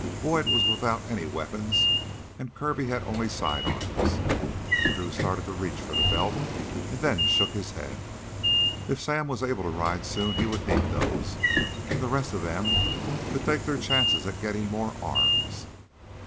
Boyd was without any weapons, and Kirby had only side arms. Drew started to reach for the belt and then shook his head. If Sam was able to ride soon, he would need those. And the rest of them could take their chances at getting more arms.